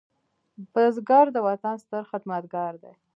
بزګر د وطن ستر خدمتګار دی